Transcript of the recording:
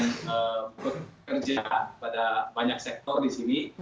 untuk kerja pada banyak sektor di sini